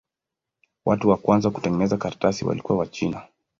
Watu wa kwanza kutengeneza karatasi walikuwa Wachina.